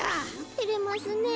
てれますねえ。